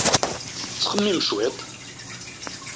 Ttxemmim cwiṭ!